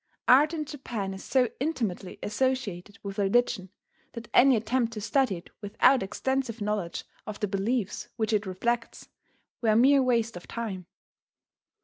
Art in Japan is so intimately associated with religion that any attempt to study it without extensive knowledge of the beliefs which it reflects, were mere waste of time.